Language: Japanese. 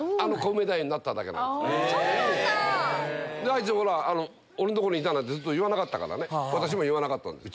あいつ俺のとこにいたなんてずっと言わなかったからね私も言わなかったんです